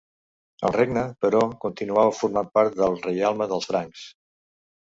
El regne, però, continuava formant part del Reialme dels Francs.